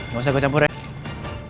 ga usah gue campurin